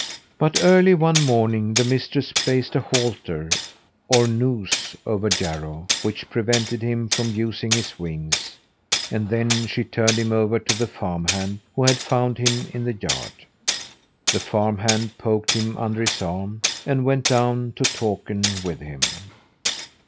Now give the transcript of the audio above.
But early one morning the mistress placed a halter, or noose, over Jarro, which prevented him from using his wings, and then she turned him over to the farm hand who had found him in the yard. The farm hand poked him under his arm, and went down to Takern with him.